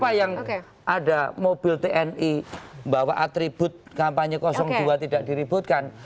karena ada mobil tni bahwa atribut kampanye dua tidak diributkan